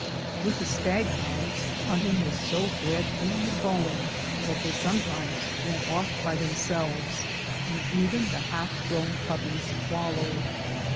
With the stag hounds, hunting was so bred in the bone that they sometimes went off by themselves, and even the half grown puppies followed.